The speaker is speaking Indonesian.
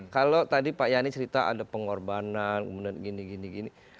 kalau tadi pak yani cerita ada pengorbanan kemudian gini gini